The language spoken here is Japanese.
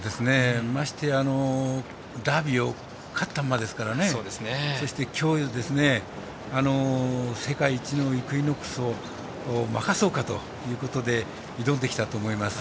ましてやダービーを勝った馬ですからそして、今日、世界１位のイクイノックスを負かそうかということで挑んできたと思います。